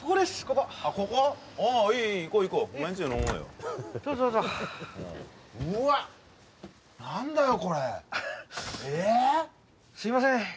すいません